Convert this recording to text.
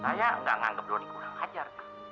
saya gak menganggap doni kurang ajar